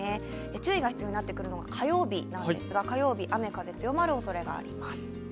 注意が必要になってくるのが火曜日なんですが、火曜日、雨・風、強まるおそれがあります。